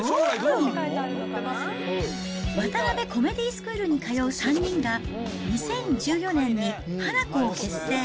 ワタナベコメディースクールに通う３人が、２０１４年にハナコを結成。